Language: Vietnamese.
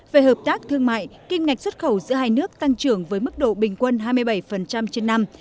về hợp tác thương mại kim ngạch xuất khẩu giữa hai nước tăng trưởng với mức độ bình quân hai mươi bảy trên năm